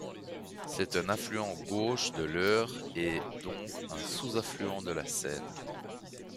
C'est un affluent gauche de l'Eure, et donc un sous-affluent de la Seine.